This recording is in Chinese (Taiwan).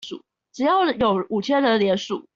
只要有五千人連署